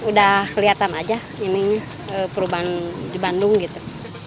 udah kelihatan aja ini perubahan di bandung gitu